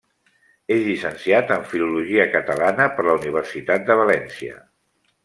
És llicenciat en Filologia Catalana per la Universitat de València.